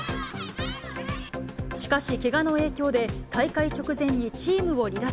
しかし、けがの影響で、大会直前にチームを離脱。